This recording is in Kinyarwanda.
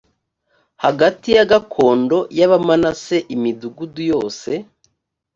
hagati ya gakondo y abamanase imidugudu yose